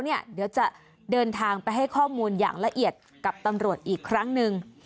เดี๋ยวจะเดินทางไปให้ข้อมูลอย่างละเอียดกับตำรวจอีกครั้งหนึ่ง